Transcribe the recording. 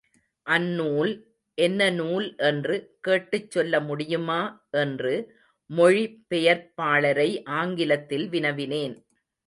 அந்நூல் என்ன நூல் என்று, கேட்டுச் சொல்ல முடியுமா என்று, மொழி பெயர்ப்பாளரை ஆங்கிலத்தில் வினவினேன்.